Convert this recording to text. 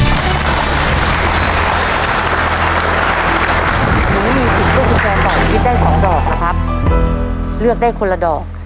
หนูมีสิทธิ์เลือกกุญแจต่อชีวิตได้สองดอกนะครับเลือกได้คนละดอก